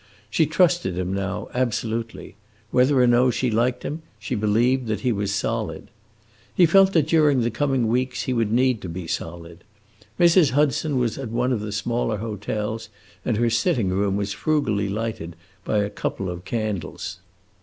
She trusted him now, absolutely; whether or no she liked him, she believed he was solid. He felt that during the coming weeks he would need to be solid. Mrs. Hudson was at one of the smaller hotels, and her sitting room was frugally lighted by a couple of candles.